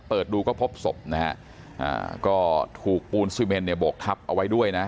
เปิดดูก็พบศพนะครับก็ถูกปูนซิเมนบกทับเอาไว้ด้วยนะ